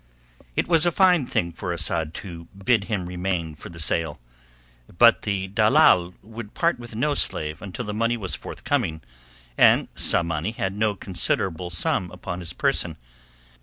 It was a fine thing for Asad to bid him remain for the sale. But the dalal would part with no slave until the money was forthcoming, and Tsamanni had no considerable sum upon his person.